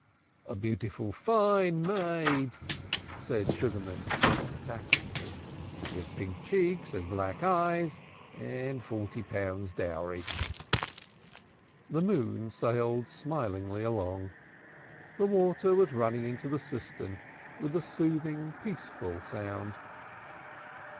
"A beautiful fine maid," said Sugarman ecstatically, "with pink cheeks and black eyes and forty pounds dowry." The moon sailed smilingly along. The water was running into the cistern with a soothing, peaceful sound.